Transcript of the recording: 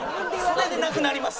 それでなくなります。